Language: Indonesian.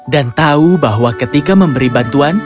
dan tahu bahwa ketika memberi bantuan